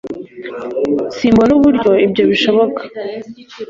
Simbona uburyo ibyo bishoboka